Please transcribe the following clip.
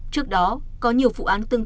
trước đó có nhiều vụ án tương tự